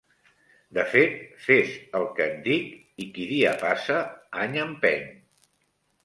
De fet fes el que et dic i qui dia passa any empeny.